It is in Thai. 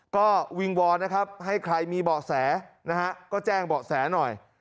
ก็วิงวอนนะครับให้ใครมีเบาะแสนะฮะก็แจ้งเบาะแสหน่อย